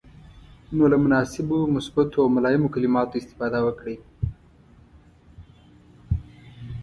نو له مناسبو، مثبتو او ملایمو کلماتو استفاده وکړئ.